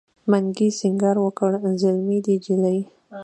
منګي سینګار وکړ زلمی دی نجلۍ